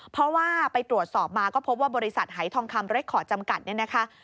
เพราะว่าไปตรวจสอบมาก็พบว่าบริษัทหายทองคำเรคคอร์ดจำกัดเนี่ยนะคะ